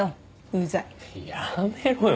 ウザいやめろよ